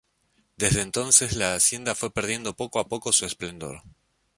Desde entonces la hacienda fue perdiendo poco a poco su esplendor.